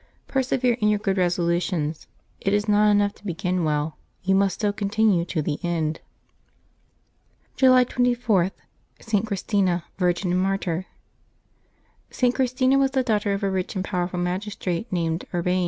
Perse vere in your good resolutions: it is not enough to begin well; you must so continue to the end. July 24.— ST. CHRISTINA, Virgin and Martyr. |T. Christina was the daughter of a rich and powerful magistrate named Urbain.